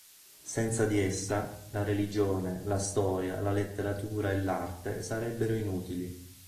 Senza di essa, la religione, la storia, la letteratura e l'arte sarebbero inutili".